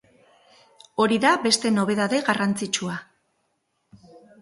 Hori da beste nobedade garrantzitsua.